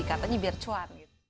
katanya biar cuan gitu